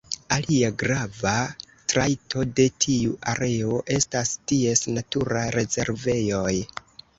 Alia grava trajto de tiu areo estas ties naturaj rezervejoj.